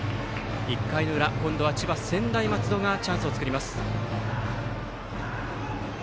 １回の裏今度は千葉・専大松戸がチャンスを作ります。